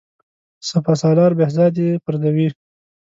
سپه سالار بهزاد یې پرزوي.